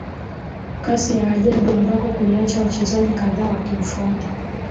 Kasi ya ajabu ambako kuliacha wachezaji kadhaa wakimfuata